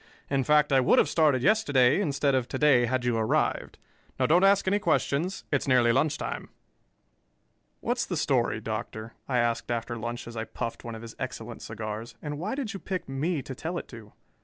In fact, I would have started yesterday instead of to day, had you arrived. Now don't ask any questions; it's nearly lunch time." "What's the story, Doctor?" I asked after lunch as I puffed one of his excellent cigars. "And why did you pick me to tell it to?"